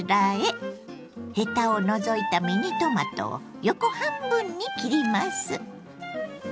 ヘタを除いたミニトマトを横半分に切ります。